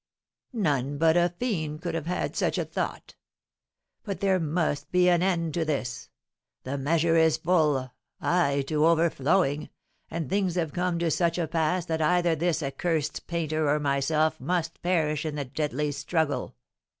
None but a fiend could have had such a thought. But there must be an end to this. The measure is full, ay, to overflowing; and things have come to such a pass that either this accursed painter or myself must perish in the deadly struggle!"